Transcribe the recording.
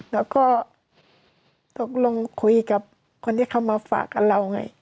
แล้วก็ตกลงคุยกับคนที่เขามาฝากกับเราไง